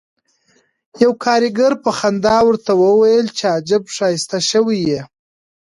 یوه کارګر په خندا ورته وویل چې عجب ښایسته شوی یې